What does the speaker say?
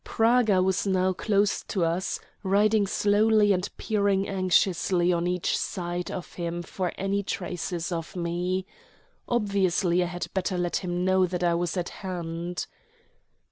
Praga was now close to us, riding slowly and peering anxiously on each side of him for any traces of me. Obviously I had better let him know that I was at hand.